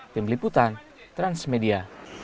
tim liputan transmedia